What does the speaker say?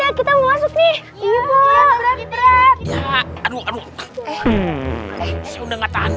ya kita mau masuk nih iya aduh aduh